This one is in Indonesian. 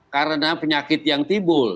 karena penyakit yang timbul